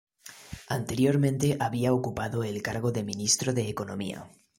Anteriormente había ocupado el cargo de Ministro de Economía.